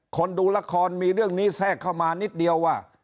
ดูละครมีเรื่องนี้แทรกเข้ามานิดเดียวว่า